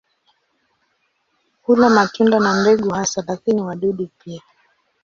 Hula matunda na mbegu hasa, lakini wadudu pia.